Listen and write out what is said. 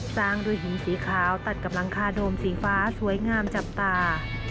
สร้างด้วยหินสีขาวตัดกับหลังคาโดมสีฟ้าสวยงามจับตา